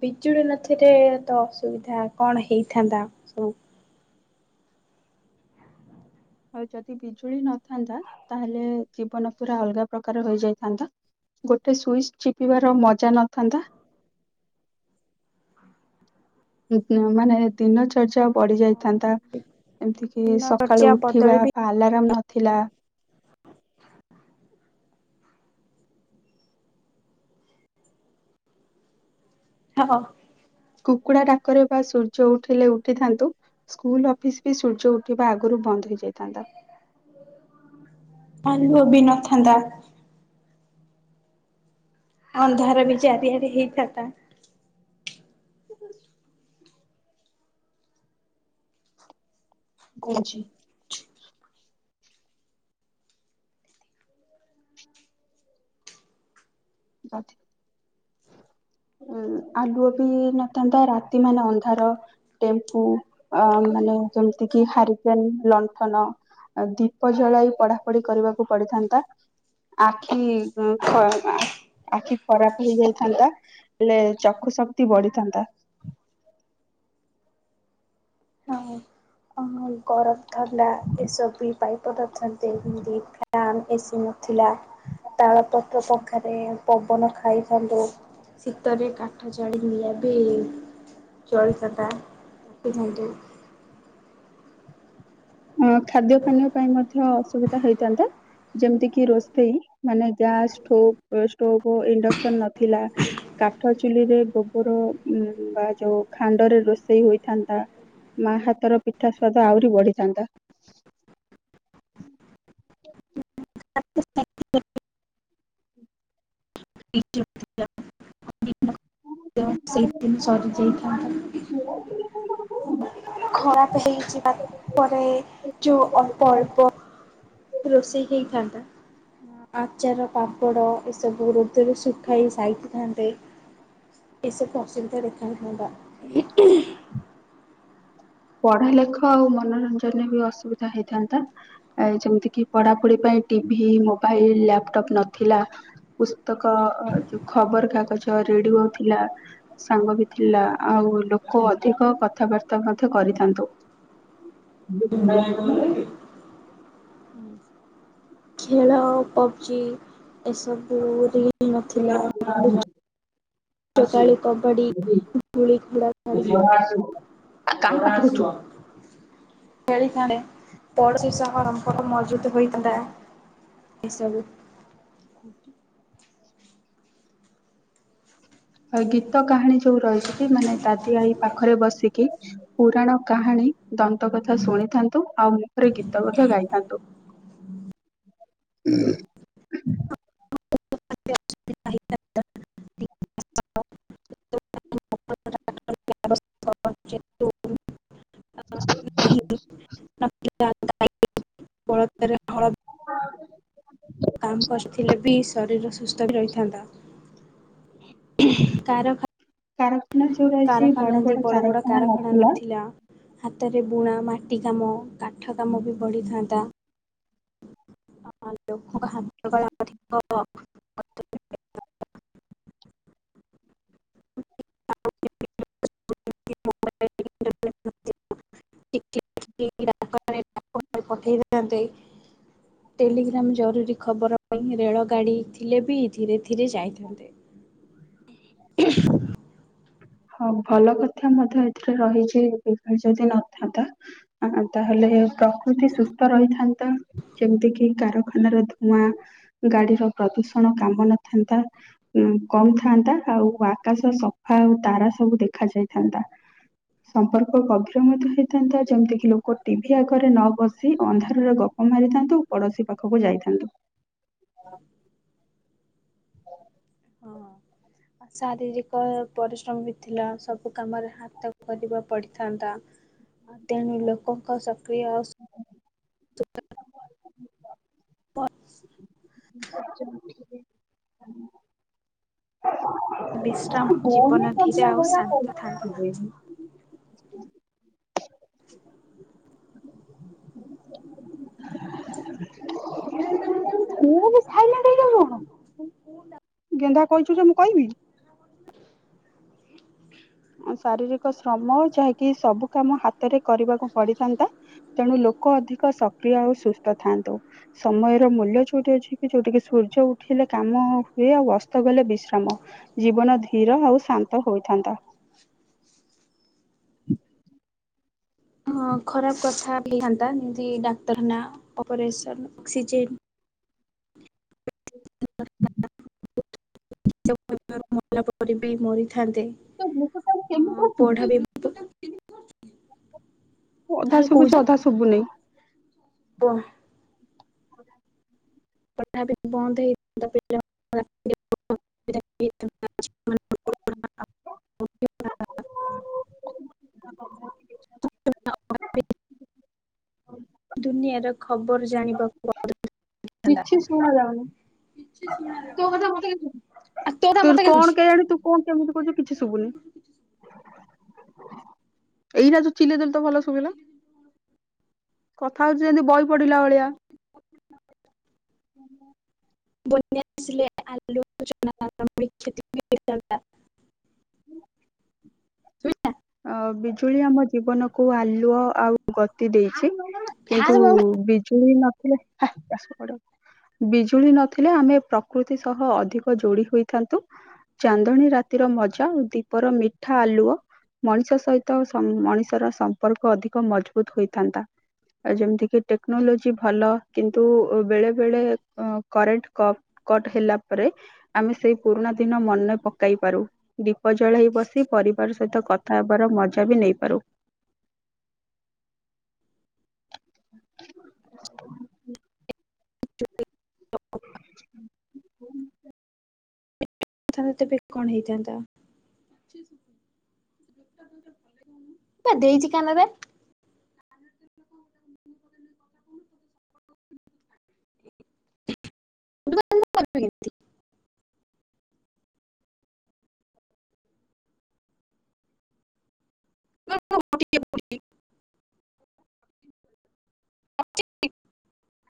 ବିଜୁଳି ନଥିଲେ ତ ଅସୁବିଧା କଣ ହେଇଥାନ୍ତା ସବୁ ଆଉ ଯଦି ବିଜୁଳି ନଥାନ୍ତା ତାହେଲେ ଜୀବନ ପୁରା ଅଲଗା ପ୍ରକାର ହୋଇଯାଇଥାନ୍ତା। ଗୋଟେ ସୁଇଚ ଚିପିବାର ମଜା ନଥାନ୍ତା। ମାନେ ଦିନ ଚର୍ଯା ପଡି ଯାଇଥାନ୍ତା ଏମିତି କିି ଦିନ ଚର୍ଚ୍ଚା ସକାଳୁ ବଦଳି ଉଠିବା ବି ବା ଆଲାରାମ ନଥିଲା। [inaudible] ହଁ। କୁକୁଡା ଡାକରେ ବା ସୂର୍। ଯଉଠି ହେଲେ ଉଠିଥାନ୍ତୁ ସ୍କୁଲ ଅଫିସ ବି ସୂର୍ଯ୍ୟ ଉଠିବା ଆଗରୁ ବନ୍ଦ ହେଇଯାଇଥାନ୍ତା। ବି ନଥାନ୍ତା। ଅନ୍ଧାର ବି ଚାରିଆଡେ ହେଇଥାନ୍ତା। ବୁଝି କହୁଛି। ବା। ଉ ଆଲୁଅ ବି ନଥାନ୍ତା ରାତି ମାନେ ଅନ୍ଧାର ଟେମ୍ପୁ। ଅ ମାନେ ଯେମିତି କି ହାରିକେନ ଲଣ୍ଠନ। ଆଉ ଦୀପ ଜଳାଇ ପଢାପଢି କରିବାକୁ ପଡିଥାନ୍ତା। ଆଖି ଉଁ ଖ ଆଖି ଖରାପ ହେଇଯାଇଥାନ୍ତା ହେଲେ ଚକ୍ଷୁ ଶକ୍ତି ବଢିଥାନ୍ତା। ହଁ। ଆଁ ଗରମ ଥଣ୍ଡା ଏସଓପି ପାଇପ [unintelligible] ଅଛନ୍ତି ଫ ଏସ ଥିଲା ତାଳ ପତ୍ର ପାଖରେ ପବନ ଖାଇଥାନ୍ତୁ। ଶୀତରେ କାଠ ଚଢ଼ି ନିଆଁ ବି ଚଳିଥାନ୍ତା ଦେଖିଥାନ୍ତି। ଅ ଖାଦ୍ୟ ପାନୀୟ ପାଇଁ ମଧ୍ୟ ଅସୁବିଧା ହେଇଥାନ୍ତା। ଯେମିତି କି ରୋଷେଇ ମାନେ ଗ୍ୟାସ୍ ଷ୍ଟୋଭ ଇଣ୍ଡକ୍ସନ ନଥିଲା। କାଠ ଚୁଲିରେ ଗୋବର ବା ଯୋଉ ଖାଣ୍ଡରେ ରୋଷେଇ ହୋଇଥାନ୍ତା। ମା ହାତର ପିଠା ସ୍ୱାଦ ଆହୁରି ବଢିଥାନ୍ତା । [inaudible] [inaudible] ସେଇଦିନ ସରିଯାଇଥାନ୍ତା । ଖରାପ ହେଇଯିବା ପରେ ଯଉ ଅଳ୍ପ ଅଳ୍ପ ରୋଷେଇ ହେଇଥାନ୍ତା । ଆଚାର ପାମ୍ପଡ଼ ଏସବୁ ରୁଦ୍ରରେ ଶୁଖାଇ ସାଇଥାନ୍ତେ । ଏ ପ୍ରସି ତ ଦେଖା ହୋ [inaudible] ପଢା ଲେଖ ଆଉ ମନୋରଞ୍ଜନରେ ବି ଅସୁବିଧା ହେଇଥାନ୍ତା ଯେମିତି କିି ପଢାପଢି ପାଇଁ- ଟିଭି ମୋବାଇଲ ଲାପଟପ୍ ନଥିଲା ପୁସ୍ତକ ଯୋଉ ଖବର କାଗଜ ରେଡିଓ ଥିଲା ସାଙ୍ଗ ବି ଥିଲା ଆଉ ଲୋକ ଅଧିକ କଥାବାର୍ତା କରିଥାନ୍ତୁ । ଖେଳ ପବଜି ଏସବୁରେ ନଥିଲା । [inaudible] କବାଡି ଧୂଳିଖେଳ କାହିଁ ପାଠ କରୁଛୁ ଖେଳିସାରି ପି ହରର ପ୍ରତ ହୋଇତା ଏ ସବୁ ହ ଗୀତ କାହାଣୀ ଯୋଉ ରହିଛି କି ମାନେ ଦାଦି ଆଈ ପାଖରେ ବସିକି ପୁରାଣ କାହାଣୀ ଦନ୍ତ କଥା ଶୁଣିଥାନ୍ତୁ ଆଉ ମୁହଁରେ ଗୀତ କଥା ଗାଇଥାନ୍ତୁ । ହୁଁ। [unintelligible] [unintelligible] [inaudible] [unintelligible] କାମ କରିଥିଲେ ବି ଶରୀର ସୁସ୍ଥ ରହିଥାନ୍ତା ହୁ ହୁ କାରଖା କାରଖାନା ଯଦି ବଡ ବଡ କାରଖାନା ନଥିଲା ହାତରେ ବୁଣା ମାଟି କାମ କାଠ କାମ ବି ବଢ଼ିଥାନ୍ତା । ଲୋକ ହାତକଳା ଅଧିକ [unintelligible] [unintelligible] ପଠେଇଥାନ୍ତେ । ଟେଲିଗ୍ରାମ ଜରୁରୀ ଖବର ପାଇଁ ରେଳଗାଡ଼ି ଥିଲେ ବି ଧୀରେ ଧୀରେ ଯାଇଥାନ୍ତେ । [inaudible] [unintelligible] ହଁ ଭଲ କଥା ମଧ୍ୟ ଏଥିରେ ରହିଛି ବା ଯଦି ନଥାନ୍ତା ତାହେଲେ ପ୍ରକୃତି ସୁସ୍ଥ ରହିଥାନ୍ତା । ଯେମିତି କିି କାରଖାନାର ଧୂଆଁ ଗାଡିର ପ୍ରଦୂଷଣ କାମ ନଥାନ୍ତା । କମ ଥାନ୍ତା ଆଉ ଆକାଶ ସଫା ଆଉ ତାରା ସବୁ ଦେଖା ଯାଇଥାନ୍ତା । ସମ୍ପର୍କ ଗଭୀର ମଧ୍ୟ ହେଇଥାନ୍ତା ଯେମିତିକି ଲୋକ ଟିଭି ଆଗରେ ନ ବସି ଅନ୍ଧାରରେ ଗ ମାରିଥାନ୍ତୁ ପଡୋଶୀ ପାଖକୁ ଯାଇଥାନ୍ତୁ । ହଁ। [inaudible] ଶାରୀରିକ ପରିଶ୍ରମ ବି ଥିଲା ସବୁ କାମରେ ହାତ କରିବାକୁ ପଡିଥାନ୍ତା । ତେଣୁ ଲୋକଙ୍କ ସକ୍ରିୟ ବ [unintelligible] ସେ ବିଶ୍ରାମ ଜୀବନ ଧୀରେ ଆଉ ଶାନ୍ତ ଥାନ୍ତା । [inaudible] ମୁୁ ବି ଖାଇଲା କେ କଣ । ହୁ ଗେନ୍ଧା କହିଛୁ ଯେ ମୁଁ କହିବି। ଶାରୀରିକ ଶ୍ରମ ଯାହାକି ସବୁ କାମ ହାତରେ କରିବାକୁ ପଡିଥାନ୍ତା ତେଣୁ ଲୋକ ଅଧିକ ସକ୍ରିୟ ଆଉ ସୁସ୍ଥ ଥାନ୍ତୁ ସମୟର ମୂଲ୍ୟ ଯୋଉଠି ଅଛି କି ଯୋଉଠ କି ସୂର୍ଯ୍ୟ ଉଠିଲେ କାମ ହୁଏ ଆଉ ଅସ୍ତ ଗଲେ ବିଶ୍ରାମ ଜୀବନ ଧୀର ଆଉ ଶାନ୍ତ ହୋଇଥାନ୍ତା। ହ ହ ଖରାପ କଥା ହେଥାନ୍ତା ଯେମତି ଡାକ୍ତରଖାନା ଅପରେସନ୍ ଅକ୍ସିଜେନ୍ ମରଲା ପରେ ବି ମରି ଥାନ୍ତେ ଅ ପଢା ବି ଅଧା ଶୁଭୁଛି ଅଧା ସୁଭୁନହିଁ ହ ପା ବି ବନ୍ଦ ହେଇ ତା [inaudible] ଆଛା [inaudible] [inaudible] ହ [inaudible] [inaudible] ହଁ [inaudible] ଦୁନିଆର ଖବର ଜାଣିବାକୁ ବ କିଛି ଶୁଣାଯାଉନି ତୋ କଥା ମତେ କିଛି ତୋ କଥା ମତେ ତୋର କାଇଁ ଶୁଭୁଚି? କଣ କେଜାଣି ତୁ କଣ କେମିତି କହୁଛୁ କିଛି ଶୁଭୁନି। ଏଇଟା ଯ ଚିିଲେଇ ଦେଲୁ ତ ଭଲ ଶୁଭିଲା। କଥା ହଉଛି ଯେମିତି ବହି ପଢିଲା ଭଳିଆ। ପ [inaudible] ହୁଁ ହ [inaudible] ବନ୍ୟାସିଲ ଆଲୋଚଚନାାମିକ୍ଷତି [unintelligible] ଶୁଭିଲା। ଅ ବିଜୁଳି ଆମ ଜୀବନକୁ ଆଲୁଅ ଆଉ ଗତି ଦେଇଛି। କିନ୍ତୁ ତାହା ବିଜୁଳି ନଥିଲେ ହା ଚାଷ କଡକୁ ବିଜୁଳି ନଥିଲେ ଆମେ ପ୍ରକୃତି ସହ ଅଧିକ ଯୋଡି ହୋଇଥାନ୍ତୁ। ଚାନ୍ଦଣୀ ରାତିର ମଜା ଦୀପର ମିଠା ଆଲୁଅ, ମଣିଷ ସହିତ ମଣିଷର ସମ୍ପର୍କ ଅଧିକ ମଜବୁତ ହୋଇଥାନ୍ତା। ଆ ଯେମିତି କି ଟେକ୍ନୋଲୋଜି ଭଲ କିନ୍ତୁ ବେଳେ ବେଳେ କରେଣ୍ଟ କପ କଟ ହେଲା ପରେ ଆମେ ସେଇ ପୁରୁଣା ଦିନ ମନେ ପକାଇ ପାରୁ ଦୀପ ଜଳେଇ ବସି ପରିବାର ସହିତ କଥ ଖାଇବାର ମଜା ବି ନେଇପାରୁ ହ [inaudible] [inaudible] [inaudible] ତା ତେବେ କଣ ହେଇଥାନ୍ତା, ଦେଇଛି କାନରେ କ [inaudible] [unintelligible] [unintelligible]